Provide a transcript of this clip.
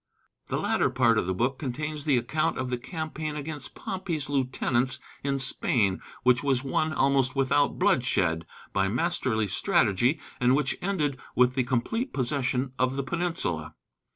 The latter part of the book contains the account of the campaign against Pompey's lieutenants in Spain, which was won almost without bloodshed, by masterly strategy, and which ended with the complete possession of the peninsula.